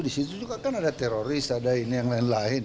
di situ juga kan ada teroris ada ini yang lain lain